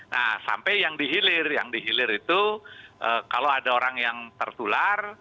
nah sampai yang dihilir yang di hilir itu kalau ada orang yang tertular